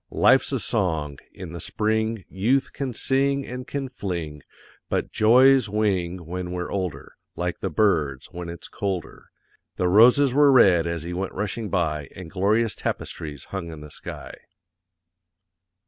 LIFE'S A SONG; in the SPRING YOUTH can SING and can FLING; BUT JOYS WING WHEN WE'RE OLDER, LIKE THE BIRDS when it's COLDER. _The roses were red as he went rushing by, and glorious tapestries hung in the sky.